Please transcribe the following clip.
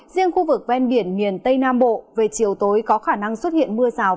riêng khu vực ven biển miền tây nam bộ về chiều tối có khả năng xuất hiện mưa rào